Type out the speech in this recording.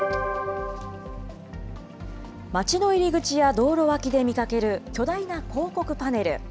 町の入り口や、道路脇で見かける巨大な広告パネル。